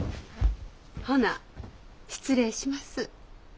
ほな失礼します。